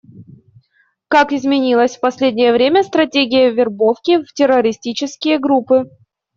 Как изменилась в последнее время стратегия вербовки в террористические группы?